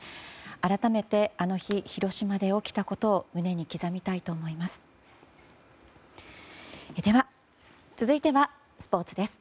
改めてあの日、広島で起きたことを胸に刻みたいと思います。